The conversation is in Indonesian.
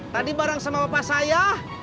tadi bareng sama bapak saya